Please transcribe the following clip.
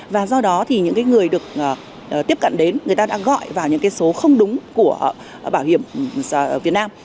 và do đó thì những người được tiếp cận đến người ta đã gọi vào những cái số không đúng của bảo hiểm việt nam